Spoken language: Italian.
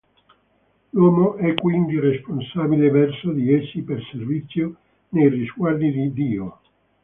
L'uomo è quindi responsabile verso di essi per servizio nei riguardi di Dio.